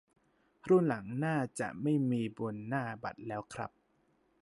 รุ่นหลังน่าจะไม่มีบนหน้าบัตรแล้วครับ